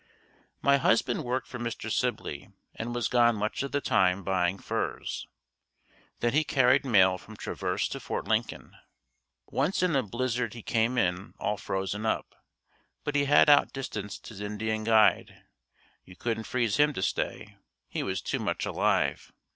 My husband worked for Mr. Sibley and was gone much of the time buying furs. Then he carried mail from Traverse to Fort Lincoln. Once in a blizzard he came in all frozen up, but he had outdistanced his Indian guide you couldn't freeze him to stay he was too much alive.